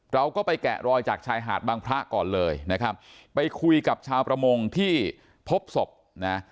เราก็ไปแกะรอยจากชายหาดบางพระก่อนเลยนะครับไปคุยกับชาวประมงที่พบศพนะ